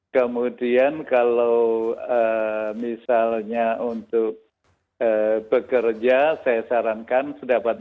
kemudian kalau misalnya untuk bekerja saya sarankan sudah dapat muncul